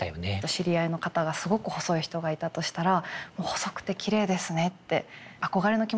知り合いの方がすごく細い人がいたとしたらもう細くてきれいですねって憧れの気持ちを持って言うと。